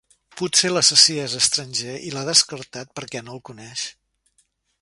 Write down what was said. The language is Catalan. Potser l'assassí és estranger i l'ha descartat, perquè no el coneix.